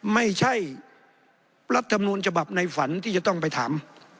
ไม่ใช่รัฐมนูลฉบับในฝันที่จะต้องไปถาม